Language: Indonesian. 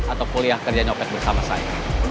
atau kuliah kerja copet bersama saya